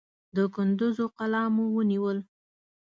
د کندوز قلا مو ونیول.